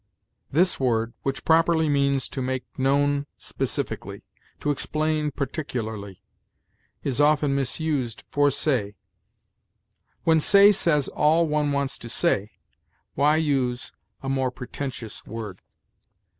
This word, which properly means to make known specifically, to explain particularly, is often misused for say. When say says all one wants to say, why use a more pretentious word?